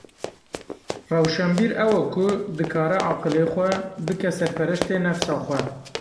Rewşenbîr ew e ku dikare aqilê xwe bike serpereştê nefsa xwe.